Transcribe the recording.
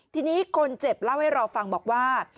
ทีนี้คนเจ็บเล่าให้เราฟังบอกว่า